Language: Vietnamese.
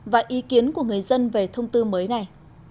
và ý kiến của người dân về thông tư mới này